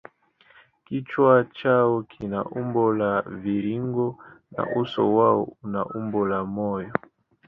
Kichwa chao kina umbo la mviringo na uso mwao una umbo la moyo.